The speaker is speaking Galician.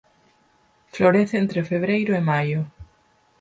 Florece entre febreiro e maio.